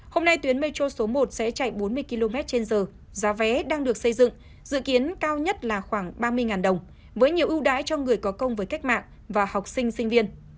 hôm nay tuyến metro số một sẽ chạy bốn mươi km trên giờ giá vé đang được xây dựng dự kiến cao nhất là khoảng ba mươi đồng với nhiều ưu đãi cho người có công với cách mạng và học sinh sinh viên